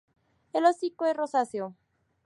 El hocico es rosáceo.